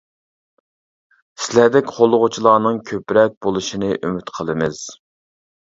سىلەردەك قوللىغۇچىلارنىڭ كۆپرەك بولۇشىنى ئۈمىد قىلىمىز.